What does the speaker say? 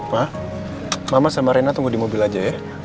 pak mama sama rena tunggu di mobil aja ya